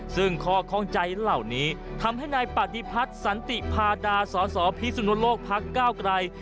ซึ่งข้อข้องใจเหล่านี้ทำให้นายปฏิพัฒน์สันติพาดาสสพิสุนุโลกพักก้าวไกร